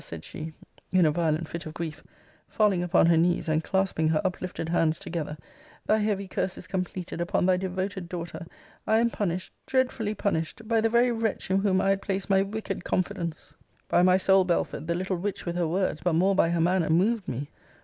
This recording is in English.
said she, in a violent fit of grief [falling upon her knees, and clasping her uplifted hands together] thy heavy curse is completed upon thy devoted daughter! I am punished, dreadfully punished, by the very wretch in whom I had placed my wicked confidence! By my soul, Belford, the little witch with her words, but more by her manner, moved me!